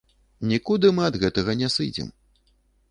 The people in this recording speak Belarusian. Нікуды мы ад гэтага не сыдзем.